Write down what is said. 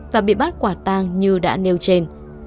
và bị bắt quả tang như đã nêu trên